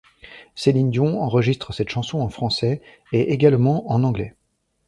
Céline Dion enregistre cette chanson en français et également en anglais.